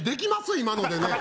今のでねえ